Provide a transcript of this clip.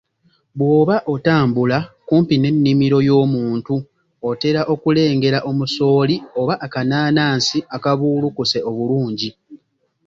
Bw'oba otambula kumpi n'ennimiro y'omuntu otera okulengera omusooli oba akanaanansi akabuulukuse obulungi